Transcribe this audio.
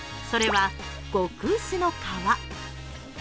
それは、極薄の皮。